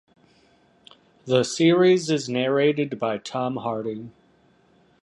The series is narrated by Tom Hardy.